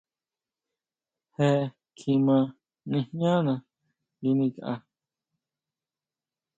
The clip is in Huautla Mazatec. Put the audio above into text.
Jee kjima nijñana ngui nikʼa.